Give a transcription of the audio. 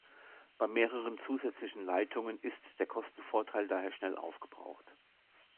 Bei mehreren zusätzlichen Leitungen ist der Kostenvorteil daher schnell aufgebraucht.